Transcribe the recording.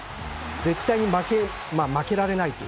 絶対に負けられないと。